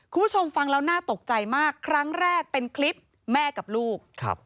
คุณผู้ชมฟังแล้วน่าตกใจมากครั้งแรกเป็นคลิปแม่กับลูกครับ